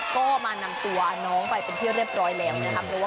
ก็มานำตัวน้องไปเป็นที่เรียบร้อยแล้วนะครับ